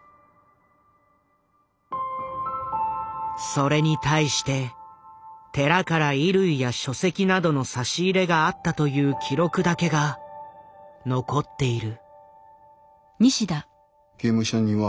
それに対して寺から衣類や書籍などの差し入れがあったという記録だけが残っている。